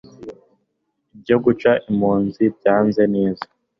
Ibyo gucyura impunzi byagenze neza